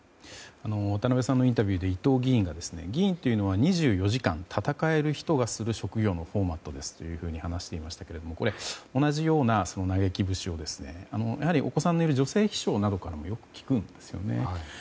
渡辺さんのインタビューで伊藤議員が、議員というのは２４時間、戦える人がする職業のフォーマットですと話していましたけれども同じような嘆き節をやはりお子さんのいる女性秘書などからもよく聞くんですよね。